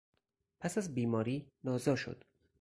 پس از بیماری نازا شد.